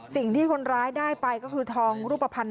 สิ่งที่คนร้ายได้ไปก็คือทองรูปภัณฑ์